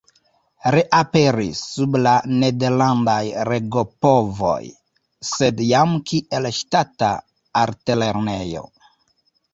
Reaperis sub la nederlandaj regopovoj, sed jam kiel ŝtata altlernejo.